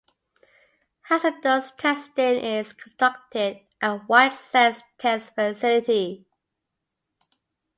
Hazardous testing is conducted at White Sands Test Facility.